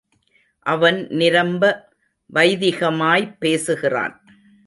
அவன் நிரம்ப வைதிகமாய்ப் பேசுகிறான்.